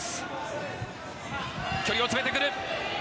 距離を詰めてくる！